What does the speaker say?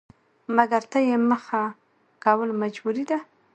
مکر ته يې مخه کول مجبوري ده؛